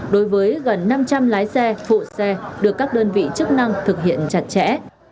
đối với gần năm trăm linh lái xe phụ xe được các đơn vị chức năng thực hiện chặt chẽ